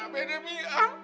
jangan pindah ke kaki ya